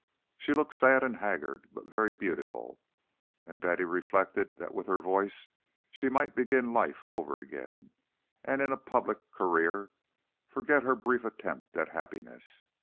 She looked sad and haggard, but very beautiful, and Betty reflected that with her voice she might begin life over again, and in a public career forget her brief attempt at happiness.